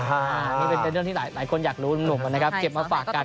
อันนี้เป็นเรื่องที่หลายคนอยากรู้หนุ่มนะครับเก็บมาฝากกัน